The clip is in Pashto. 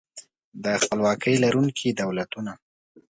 د خپلواکۍ لرونکي دولتونه